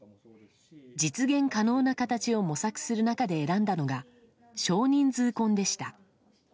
実現可能な形を模索する中で選んだのが少人数婚でした。